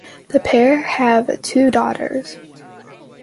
The pair have two daughters.